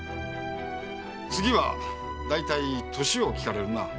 次は大体年を聞かれるな。